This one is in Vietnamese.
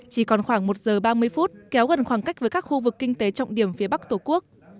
chỉ còn khoảng một giờ ba mươi phút kéo gần khoảng cách với các khu vực kinh tế trọng điểm phía bắc tổ quốc